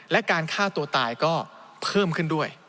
และการฆ่าตัวตายก็เพิ่มขึ้นด้วย